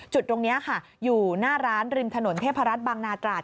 จุดตรงนี้ค่ะอยู่หน้าร้านริมถนนเทพรัฐบางนาตราด